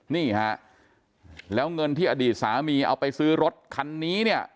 นี่ฮะแล้วเงินที่อดีตสามีเอาไปซื้อรถคันนี้เนี่ย